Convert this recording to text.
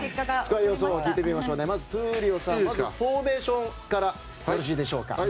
まずは闘莉王さんフォーメーションからよろしいでしょうか。